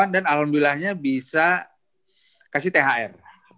dan alhamdulillahnya bisa kasih thr